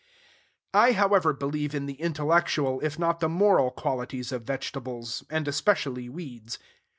I, however, believe in the intellectual, if not the moral, qualities of vegetables, and especially weeds.